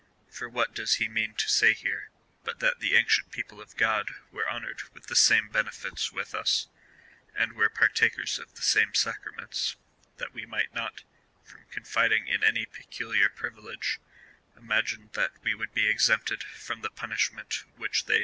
For what does he mean to say here, but that the ancient people of God were honoured with the same benefits with us, and were partak ers of the same sacraments, that we might not, from con fiding in any peculiar privilege, imagine that we would be exempted from the punishment which they endured